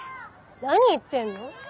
何言ってんの。